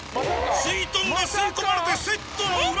・すいとんが吸い込まれてセットの裏。